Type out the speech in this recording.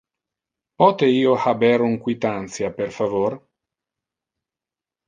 Pote io haber un quitantia, per favor?